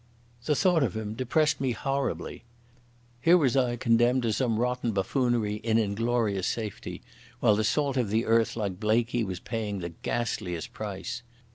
The thought of him depressed me horribly. Here was I condemned to some rotten buffoonery in inglorious safety, while the salt of the earth like Blaikie was paying the ghastliest price.